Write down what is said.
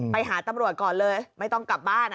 ไปหาตำรวจก่อนเลยไม่ต้องกลับบ้าน